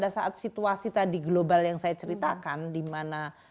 pada saat situasi tadi global yang saya ceritakan dimana